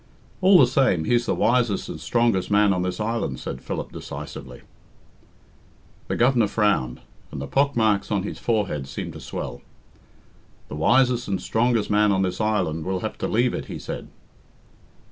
"All the same, he's the wisest and strongest man on this island," said Philip decisively. The Governor frowned, and the pockmarks on his forehead seemed to swell. "The wisest and strongest man on this island will have to leave it," he said.